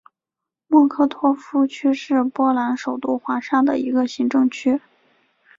莫科托夫区是波兰首都华沙的一个行政区。